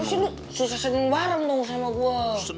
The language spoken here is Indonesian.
harusnya lu susah seneng bareng dong sama gue